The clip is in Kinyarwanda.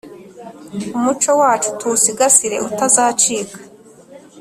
Umuco wacu tuwusigasire utazacika